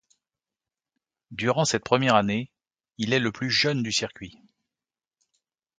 Durant cette première année, il est le plus jeune du circuit.